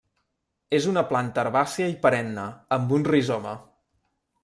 És una planta herbàcia i perenne amb un rizoma.